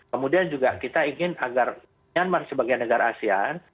kemudian juga kita ingin agar myanmar sebagai negara asean